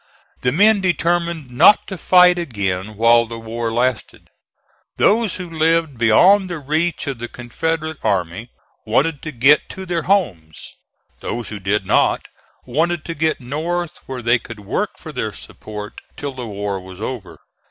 The men determined not to fight again while the war lasted. Those who lived beyond the reach of the Confederate army wanted to get to their homes. Those who did not, wanted to get North where they could work for their support till the war was over.